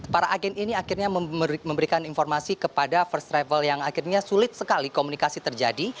para agen ini akhirnya memberikan informasi kepada first travel yang akhirnya sulit sekali komunikasi terjadi